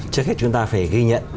trước hết chúng ta phải ghi nhận